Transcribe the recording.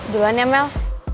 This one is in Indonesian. duluan ya mel